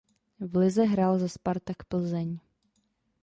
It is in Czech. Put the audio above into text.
V lize hrál za Spartak Plzeň.